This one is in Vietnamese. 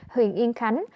huyện yên khánh